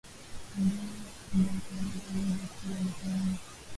ambae kilimtangaza mwezi oktoba mwaka huu